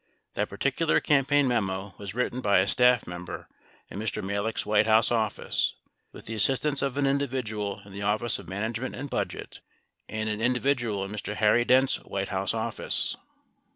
That particular cam paign memo was written by a staff member in Mr. Malek's White House office, with the assistance of an individual in the Office of Man agement and Budget and an individual in Mr. Harry Dent's White House office.